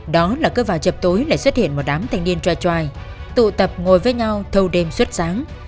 đó là cứ vào chập tối lại xuất hiện một đám thanh niên trai tụ tập ngồi với nhau thâu đêm suốt sáng